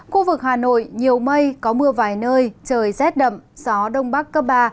khu vực hà nội nhiều mây có mưa vài nơi trời rét đậm gió đông bắc cấp ba